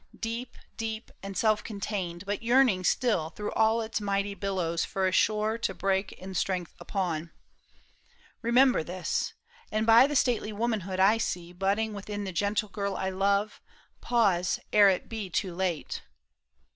Deep, deep, and self contained, but yearning still Through all its mighty billows for a shore To break in strength upon. Remember this ; And by the stately womanhood I see PAUL I SHAM. 53 Budding within the gentle girl I love, Pause ere it be too late."